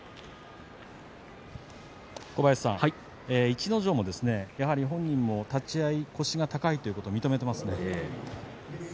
逸ノ城も本人も立ち合い腰が高いということを認めていますね。